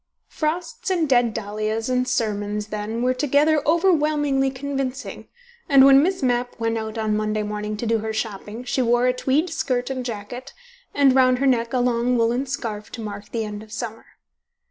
Frosts and dead dahlias and sermons then were together overwhelmingly convincing, and when Miss Mapp went out on Monday morning to do her shopping, she wore a tweed skirt and jacket, and round her neck a long woollen scarf to mark the end of the summer.